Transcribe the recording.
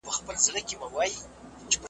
د شهیدانو شمېر معلوم نه دی .